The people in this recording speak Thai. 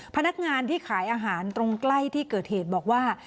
พนักงานที่ขายอาหารตรงใกล้ที่เกิดเหตุบอกว่า